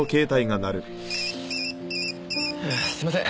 すいません。